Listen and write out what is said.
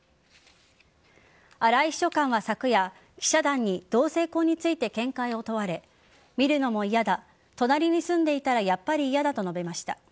荒井秘書官は昨夜記者団に同性婚について見解を問われ見るのも嫌だ隣に住んでいたらやっぱり嫌だと述べました。